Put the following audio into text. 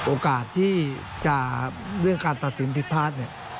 โอกาสที่จะเรื่องการตัดสินผิดพลาดเนี่ย